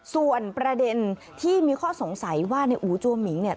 ส่วนประเด็นที่มีข้อสงสัยว่าในอู๋จัวหมิงเนี่ย